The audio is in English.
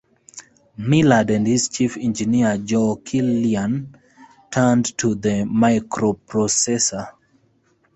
Millard and his chief engineer Joe Killian turned to the microprocessor.